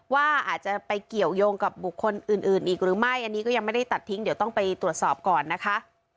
ว่าอาจจะไปเกี่ยวยงกับบุคคลอื่นอีกหรือไม่อันนี้ก็ยังไม่ได้ตัดทิ้งเดี๋ยวต้องไปตรวจสอบก่อนนะคะ